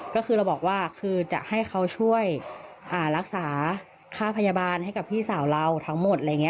ก็คือเราบอกว่าคือจะให้เขาช่วยรักษาค่าพยาบาลให้กับพี่สาวเราทั้งหมดอะไรอย่างนี้